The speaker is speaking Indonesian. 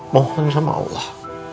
mohon sama allah